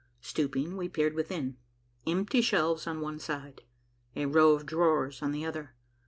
Stooping, we peered within. Empty shelves on one side. A row of drawers on the other.